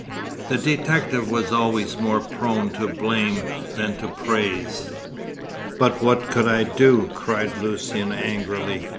The detective was always more prone to blame than to praise. "But what could I do?" cried Lucian angrily.